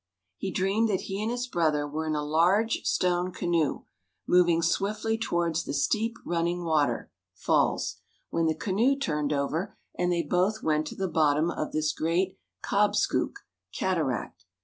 He dreamed that he and his brother were in a large stone canoe, moving swiftly towards the steep running water (falls), when the canoe turned over, and they both went to the bottom of this great "Cobscūk," cataract.